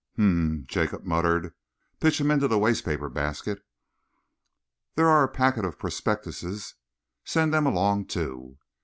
"Hm!" Jacob muttered. "Pitch 'em into the waste paper basket." "There are a packet of prospectuses " "Send them along, too."